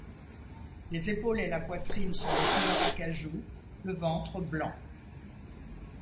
Les épaules et la poitrine sont de couleur acajou, le ventre blanc.